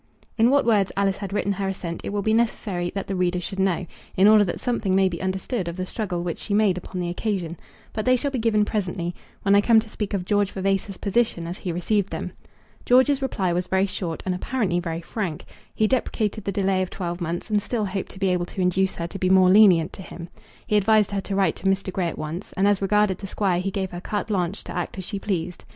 In what words Alice had written her assent it will be necessary that the reader should know, in order that something may be understood of the struggle which she made upon the occasion; but they shall be given presently, when I come to speak of George Vavasor's position as he received them. George's reply was very short and apparently very frank. He deprecated the delay of twelve months, and still hoped to be able to induce her to be more lenient to him. He advised her to write to Mr. Grey at once, and as regarded the Squire he gave her carte blanche to act as she pleased.